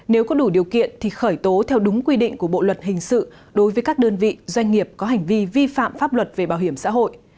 nếu có đủ điều kiện thì khởi tố theo đúng quy định của bộ luật hình sự đối với các đơn vị doanh nghiệp có hành vi vi phạm pháp luật về bảo hiểm xã hội